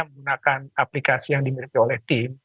menggunakan aplikasi yang dimiliki oleh tim